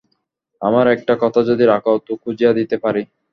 আমার একটা কথা যদি রাখ তো খুঁজিয়া দিতে পারি।